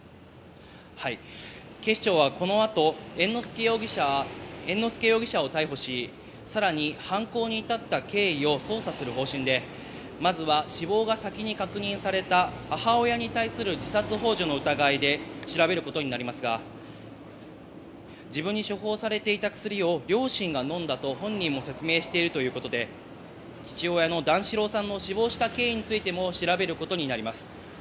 警視庁はこの後、猿之助容疑者を逮捕し、さらに犯行に至った経緯を捜査する方針で、まずは死亡が先に確認された母親に対する自殺ほう助の疑いで調べることになりますが、自分に処方されていた薬を両親が飲んだと本人も説明しているということで、父親の段四郎さんの死亡した経緯についても調べることになります。